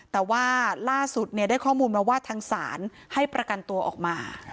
แต่ว่าล่าสุดได้ข้อมูลมาว่าทางศาลให้ประกันตัวออกมา